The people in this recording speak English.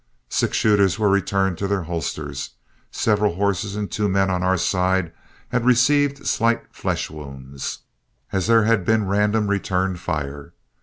Six shooters were returned to their holsters. Several horses and two men on our side had received slight flesh wounds, as there had been a random return fire.